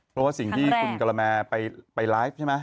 เพราะว่าสิ่งที่คุณกะละแมไปไลฟ์ใช่ไหม